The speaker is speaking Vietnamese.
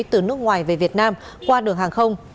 từ nước ngoài về việt nam qua đường hàng không